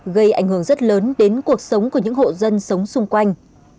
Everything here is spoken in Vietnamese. gây ảnh hưởng rất lớn đến cuộc sống của những hộ dân sống xung quanh